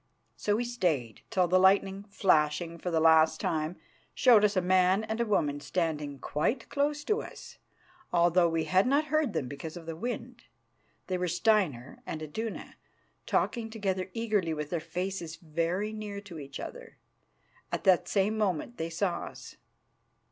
So we stayed till the lightning, flashing for the last time, showed us a man and a woman standing quite close to us, although we had not heard them because of the wind. They were Steinar and Iduna, talking together eagerly, with their faces very near to each other. At the same moment they saw us.